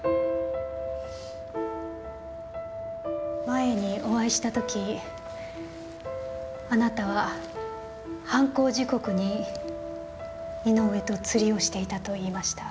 前にお会いした時あなたは犯行時刻に井上と釣りをしていたと言いました。